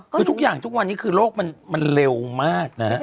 คือทุกอย่างทุกวันนี้คือโลกมันเร็วมากนะฮะ